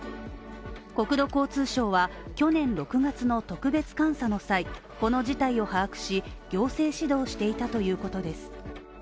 国土交通省は去年６月の特別監査の際、この事態を把握し、行政指導していたということです。